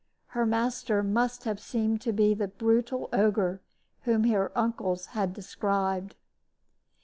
Her master must have seemed to be the brutal ogre whom her uncles had described.